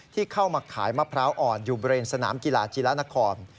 ที่เข้ามาขายมะพร้าวอ่อนอยู่บริเวณสนามกีฬาจีระนคร